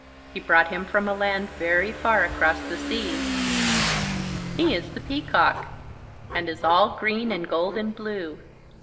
He brought him from a land very far across the seas. He is the peacock and is all green and gold and blue.